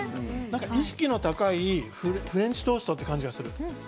意識の高いフレンチトーストって感じがする。